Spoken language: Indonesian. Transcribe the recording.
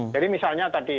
jadi misalnya tadi